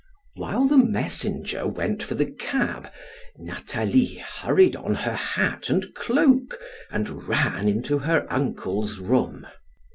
While the messenger went for the cab, Nathalie hurried on her hat and cloak, and ran into her uncle's room.